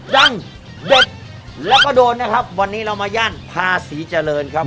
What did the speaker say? เด็ดแล้วก็โดนนะครับวันนี้เรามาย่านภาษีเจริญครับ